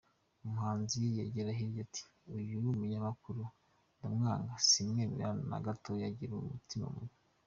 Umuhanzi yagera hirya ati "Uyu munyamakuru ndamwanga, simwemera na gatoya agira umutima mubi".